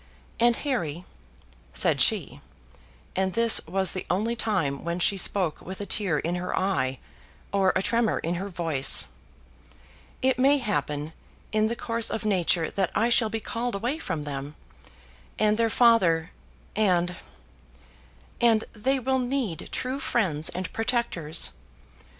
And, Harry," said she (and this was the only time when she spoke with a tear in her eye, or a tremor in her voice), "it may happen in the course of nature that I shall be called away from them: and their father and and they will need true friends and protectors.